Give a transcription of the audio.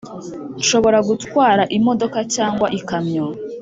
nshobora gutwara imodoka cyangwa ikamyo